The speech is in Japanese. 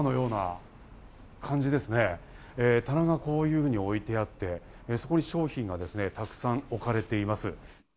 棚がこういうふうに置いてあって、そこに商品がたくさん置かれています。